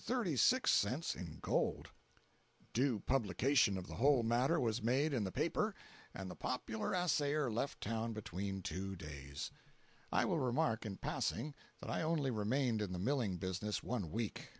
257.jpg (34K) Due publication of the whole matter was made in the paper, and the popular assayer left town "between two days." I will remark, in passing, that I only remained in the milling business one week.